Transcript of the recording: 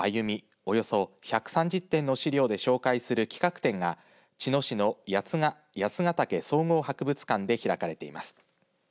およそ１３０点の資料で紹介する企画展が茅野市の八ヶ岳総合博物館で開かれています。